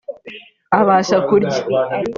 abasha kurya